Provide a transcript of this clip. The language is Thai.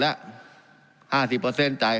การปรับปรุงทางพื้นฐานสนามบิน